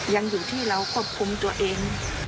ยังอยู่ที่เราควบคุมตัวเอง